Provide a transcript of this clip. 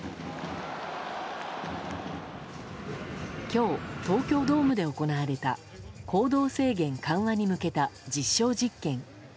今日、東京ドームで行われた行動制限緩和に向けた実証実験。